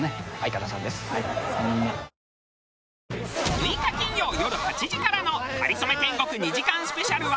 ６日金曜よる８時からの『かりそめ天国』２時間スペシャルは。